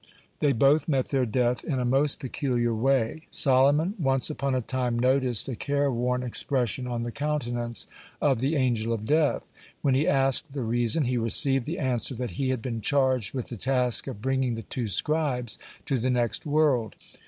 They both met their death in a most peculiar way. Solomon once upon a time noticed a care worn expression on the countenance of the Angel of Death. When he asked the reason, he received the answer, that he had been charged with the task of bringing the two scribes to the next world.